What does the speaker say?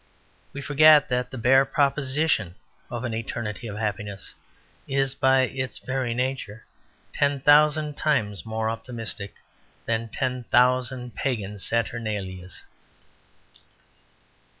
We forget that the bare proposition of an eternity of happiness is by its very nature ten thousand times more optimistic than ten thousand pagan saturnalias.